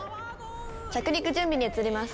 着陸準備に移ります。